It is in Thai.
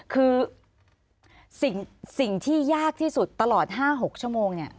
คือสิ่งที่ยากที่สุดตลอด๕๖ชั่วโมงเนี่ย